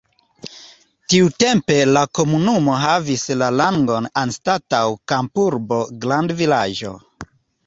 Tiutempe la komunumo havis la rangon anstataŭ kampurbo grandvilaĝo.